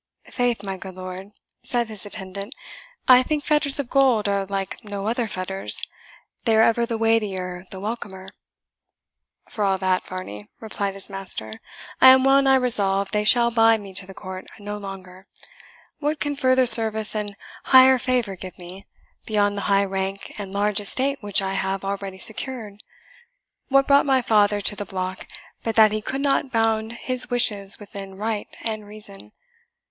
"Faith, my good lord," said his attendant, "I think fetters of gold are like no other fetters they are ever the weightier the welcomer." "For all that, Varney," replied his master, "I am well nigh resolved they shall bind me to the court no longer. What can further service and higher favour give me, beyond the high rank and large estate which I have already secured? What brought my father to the block, but that he could not bound his wishes within right and reason?